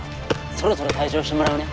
そろそろ退場してもらうね